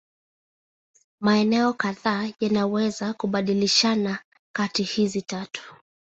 Maeneo kadhaa yanaweza kubadilishana kati hizi tatu.